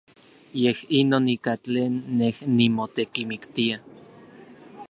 Yej inon ika tlen nej nimotekimiktia.